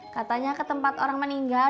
katanya ke tempat orang meninggal